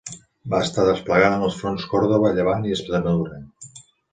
Va estar desplegada en els fronts Còrdova, Llevant i Extremadura.